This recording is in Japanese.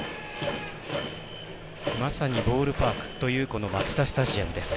まさにボールパークというマツダスタジアムです。